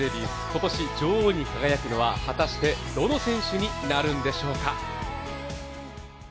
今年、女王に輝くのは果たしてどの選手になるんでしょうか。